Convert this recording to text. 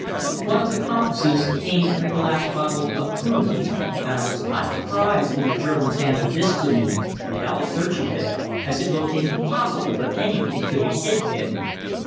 One of the compasses came in a glass bottle of prunes, and I was not surprised when the Germans handed this to me without searching it, as it looked impossible that anything could be hidden in it.